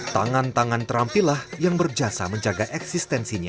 tangan tangan terampilah yang berjasa menjaga eksistensinya